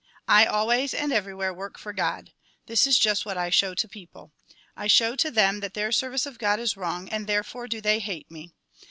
I always and everywhere work for God. This is just what I show to people. I show to them that their service of God is wrong, and there fore do they hate me.